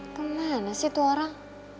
itu mana sih itu orang